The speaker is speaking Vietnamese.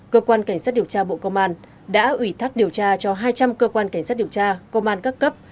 cơ quan cảnh sát điều tra bộ công an đã ủy thác điều tra cho hai trăm linh cơ quan cảnh sát điều tra công an các cấp